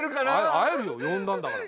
会えるよ呼んだんだから。